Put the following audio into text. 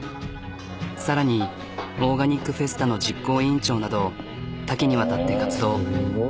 さらにオーガニックフェスタの実行委員長など多岐にわたって活動。